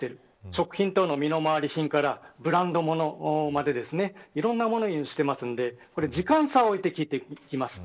食品等の身の回り品からブランド物までいろんなものを輸入しているので時間差をおいてきいてきます。